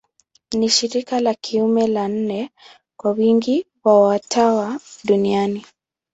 Ni shirika la kiume la nne kwa wingi wa watawa duniani.